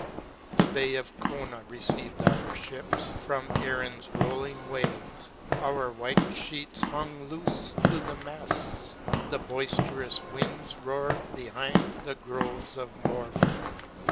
The bay of Cona received our fliips * from Erin's rolling waves. Our white flieets hung loofe to the mafts. The boifterous winds roared behind the groves of Morven.